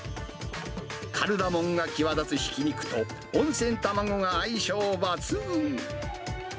カルダモンが際立つひき肉と、温泉卵が相性抜群。